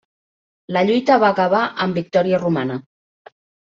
La lluita va acabar amb victòria romana.